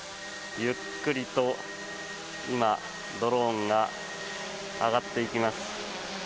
ゆっくりと今、ドローンが上がっていきます。